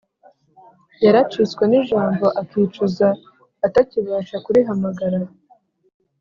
yaracitswe n'ijambo akicuza atakibasha kurihamagara?